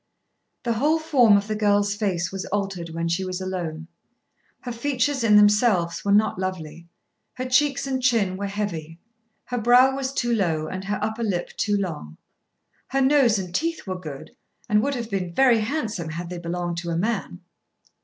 The whole form of the girl's face was altered when she was alone. Her features in themselves were not lovely. Her cheeks and chin were heavy. Her brow was too low, and her upper lip too long. Her nose and teeth were good, and would have been very handsome had they belonged to a man.